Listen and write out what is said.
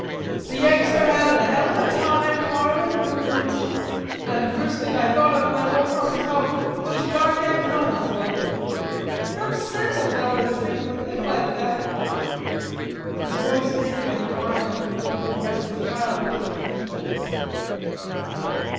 "The Yanks are havin' a hell of a time, Parley voo? "An' the first thing I thought of when I woke up was how those goddam helmets looked. It upsets a feller to think of a thing like that." His voice ended in a whine like the broken voice of a child that has been beaten.